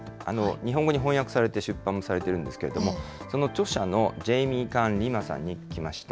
日本語に翻訳されて出版されているんですけれども、この著者のジェイミー・カーン・リマさんに聞きました。